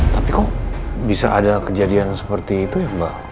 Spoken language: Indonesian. tapi kok bisa ada kejadian seperti itu ya mbak